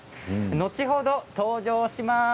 後ほど登場します。